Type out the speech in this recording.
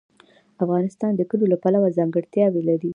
افغانستان د کلیو له پلوه ځانګړتیاوې لري.